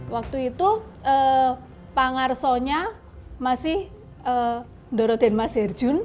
waktu itu pangarsonya masih dorotin mas herjun